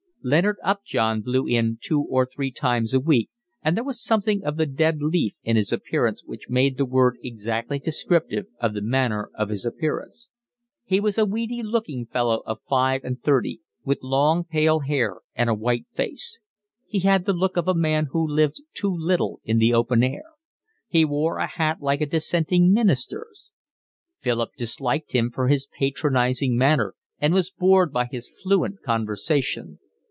Leonard Upjohn blew in two or three times a week, and there was something of the dead leaf in his appearance which made the word exactly descriptive of the manner of his appearance. He was a weedy looking fellow of five and thirty, with long pale hair and a white face; he had the look of a man who lived too little in the open air. He wore a hat like a dissenting minister's. Philip disliked him for his patronising manner and was bored by his fluent conversation.